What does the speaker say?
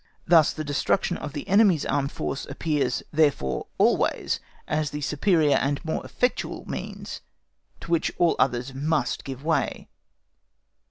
Thus, the destruction of the enemy's armed force appears, therefore, always as the superior and more effectual means, to which all others must give way.